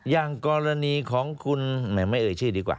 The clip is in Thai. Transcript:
อย่างกรณีของคุณแหมไม่เอ่ยชื่อดีกว่า